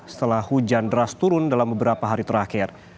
setelah hujan deras turun dalam beberapa hari terakhir